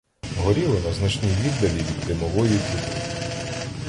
Горіло на значній віддалі від димової труби.